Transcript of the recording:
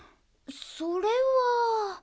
それは。